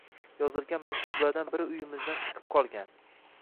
yozilgan maktublardan biri uyimizdan chiqib qolgan.